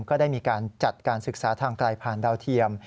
ก็ได้มีการจัดการศึกษาทางไกลผ่านดาวเทียม